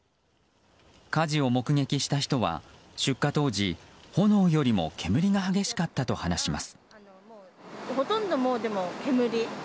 火事を目撃した人は、出火当時炎よりも煙が激しかったと話します。